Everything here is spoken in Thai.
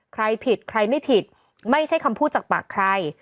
ใครผิดใครไม่ผิดไม่ใช่คำพูดจากปากใคร